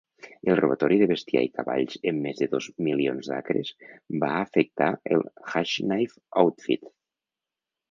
El robatori de bestiar i cavalls en més de dos milions d'acres va afectar el Hashknife Outfit.